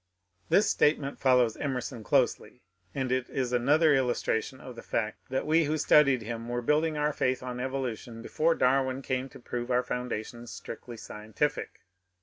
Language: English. This statement follows Emerson closely, and it is another illustration of the fact that we who studied him were building our faith on evolution before Darwin came to prove our foun dations strictly scientific.